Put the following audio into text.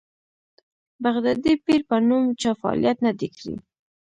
بغدادي پیر په نوم چا فعالیت نه دی کړی.